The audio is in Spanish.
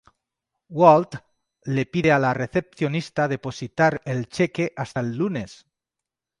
Walt le pide a la recepcionista depositar el cheque hasta el lunes.